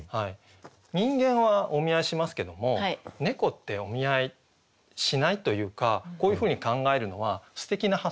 人間はお見合いしますけども猫ってお見合いしないというかこういうふうに考えるのはすてきな発想ですよね。